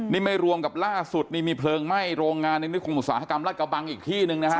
นี่ไม่รวมกับล่าสุดนี่มีเพลิงไหม้โรงงานในคุมสาธารณกรรมราชเกาะบังอีกที่หนึ่งนะครับ